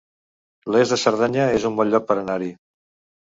Lles de Cerdanya es un bon lloc per anar-hi